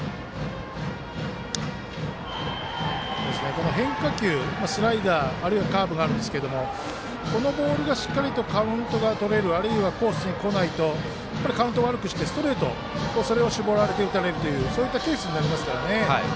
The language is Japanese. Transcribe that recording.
この変化球、スライダーあるいはカーブがあるんですけどこのボールがしっかりとカウントがとれるあるいはコースにこないとカウントを悪くしてストレート、それを絞られて打たれるというケースになりますからね。